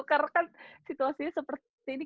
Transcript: karena kan situasinya seperti ini